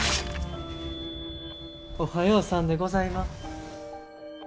おはようさんでございます。